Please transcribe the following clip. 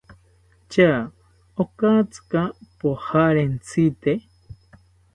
¿Tya okatsika pojarentsite?